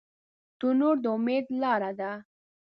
تنور د امید لاره ده